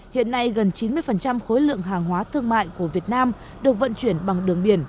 hiện nay gần chín mươi khối lượng hàng hóa thương mại của việt nam được vận chuyển bằng đường biển